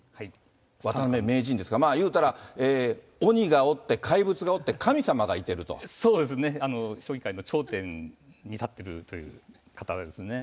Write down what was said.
渡辺名人ですから、まあ、いうたら、鬼がおって、そうですね、将棋界の頂点に立っているという方ですね。